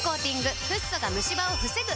フッ素がムシ歯を防ぐ！